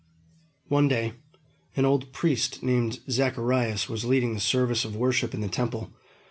One day, an old priest named Zacharias was leading the service of worship in the Temple.